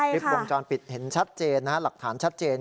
คลิปวงจรปิดเห็นชัดเจนนะฮะหลักฐานชัดเจน